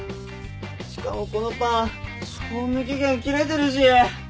しかもこのパン賞味期限切れてるし！